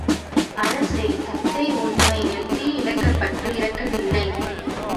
அரசே தத்தை உண்மையில் தீயிலகப்பட்டு இறக்கவில்லை.